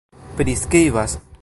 priskribas